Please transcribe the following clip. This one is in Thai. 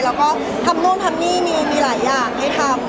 แล้วก็ทำนู่นทำนี่มีหลายอย่างให้ทำ